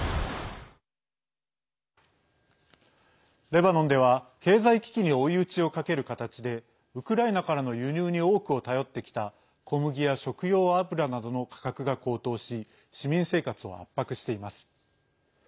レバノンでは経済危機に追い打ちをかける形でウクライナからの輸入に多くを頼ってきた小麦や食料油などの価格が高騰し市民生活を圧迫しています。